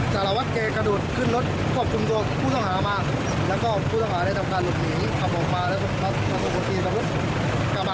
คาดว่าน่าจะเป็นรถที่คนร้ายขโมยมาอย่างนั้นหรือคะ